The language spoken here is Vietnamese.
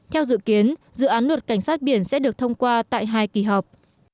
theo dự kiến dự án luật cảnh sát biển sẽ được thông qua tại hai kỳ họp